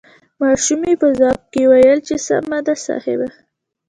ماشومې په ځواب کې وويل چې سمه ده صاحب.